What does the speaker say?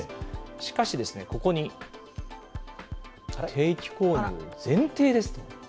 しかし、ここに定期購入前提です